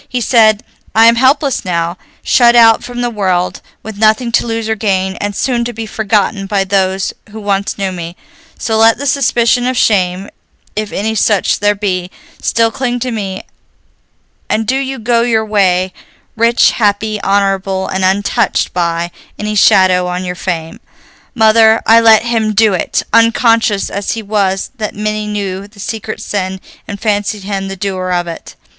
He said, 'I am helpless now, shut out from the world, with nothing to lose or gain, and soon to be forgotten by those who once knew me, so let the suspicion of shame, if any such there be, still cling to me, and do you go your way, rich, happy, honorable, and untouched by any shadow on your fame.' Mother, I let him do it, unconscious as he was that many knew the secret sin and fancied him the doer of it."